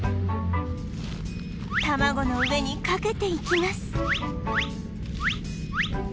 卵の上にかけていきます